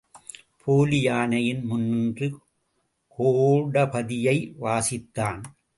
போலி யானையின் முன்னின்று கோடபதியை வாசித்தான்.